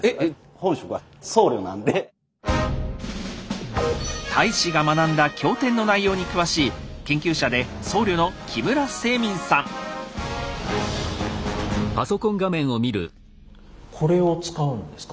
本職は太子が学んだ経典の内容に詳しい研究者で僧侶のこれを使うんですか？